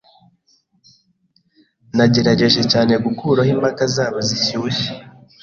Nagerageje cyane gukuraho impaka zabo zishyushye.